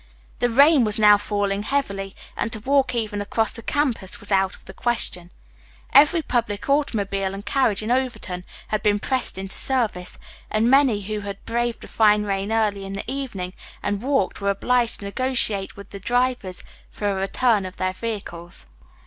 The rain was now falling heavily, and to walk even across the campus was out of the question. Every public automobile and carriage in Overton had been pressed into service, and many who had braved the fine rain early in the evening and walked were obliged to negotiate with the drivers for a return of their vehicles.